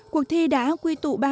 cuộc thi đã quy tụ